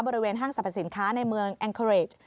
บริเวณห้างสรรพสินค้าในเมืองแอนเคอร์เรจ